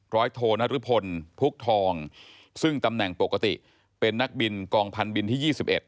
โทนรพลพุกทองซึ่งตำแหน่งปกติเป็นนักบินกองพันธบินที่๒๑